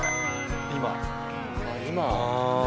今。